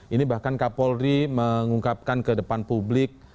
ini bahkan kak polri mengungkapkan ke depan publik